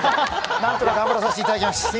何とか頑張らさせていただきます。